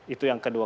itu yang kedua